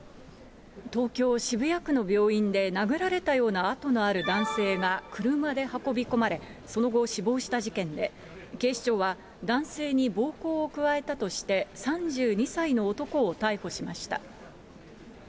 東京・渋谷区の病院で、殴られたような痕がある男性が車で運び込まれ、その後、死亡した事件で、警視庁は、男性に暴行を加えたとして、３２歳の男を逮捕しました。